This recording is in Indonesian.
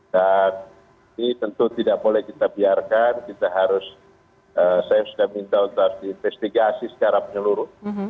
dan ini tentu tidak boleh kita biarkan kita harus saya sudah minta untuk diinvestigasi secara penyeluruh